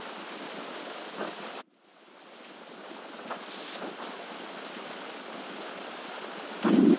あっそうか？